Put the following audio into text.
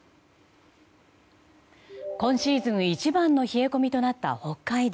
今シーズン一番の冷え込みとなった北海道。